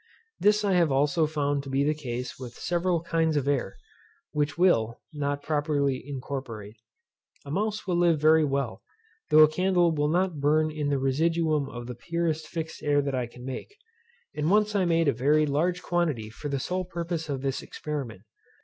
This I have also found to be the case with several kinds of air, which will, not properly incorporate. A mouse will live very well, though a candle will not burn in the residuum of the purest fixed air that I can make; and I once made a very large quantity for the sole purpose of this experiment.